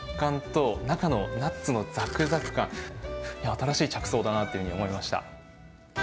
新しい着想だなというふうに思いました。